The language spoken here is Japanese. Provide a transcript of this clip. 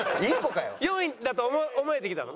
４位だと思えてきたの？